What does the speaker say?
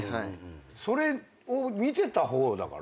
それを見てた方だから。